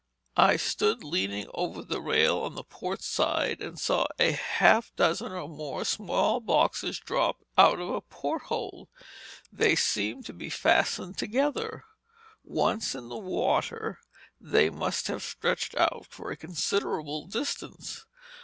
I stood leaning over the rail on the port side and I saw half a dozen or more small boxes dropped out of a porthole. They seemed to be fastened together. Once in the water, they must have stretched out over a considerable distance.